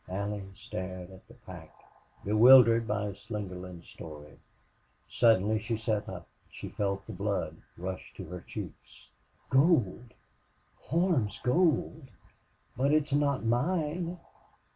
Allie stared at the pack, bewildered by Slingerland's story. Suddenly she sat up and she felt the blood rush to her cheeks. "Gold! Horn's gold! But it's not mine!